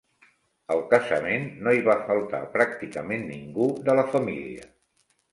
Al casament, no hi va faltar pràcticament ningú de la família.